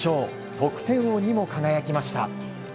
得点王にも輝きました。